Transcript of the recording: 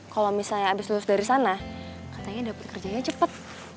kalau misalnya habis lulus dari sana katanya dapat kerjanya cepat